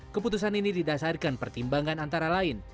keputusan ini didasarkan pertimbangan antara lain